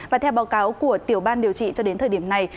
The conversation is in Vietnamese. và theo báo cáo của tiểu ban điều trị cho đến thời điểm này